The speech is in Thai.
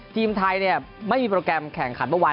ทีมไทยไม่มีโปรแกรมแข่งขันเมื่อวาน